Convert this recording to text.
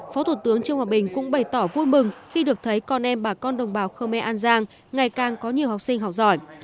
phó thủ tướng trương hòa bình cũng bày tỏ vui mừng khi được thấy con em bà con đồng bào khơ me an giang ngày càng có nhiều học sinh học giỏi